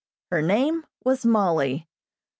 Her name was Mollie.